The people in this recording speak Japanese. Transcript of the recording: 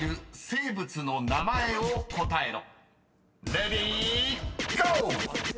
［レディーゴー！］